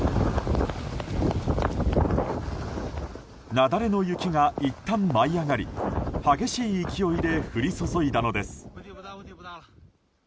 雪崩の雪がいったん舞い上がり激しい勢いで降り注いだのです。